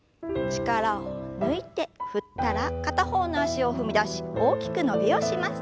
力を抜いて振ったら片方の脚を踏み出し大きく伸びをします。